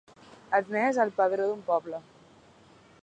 Admès al padró d'un poble.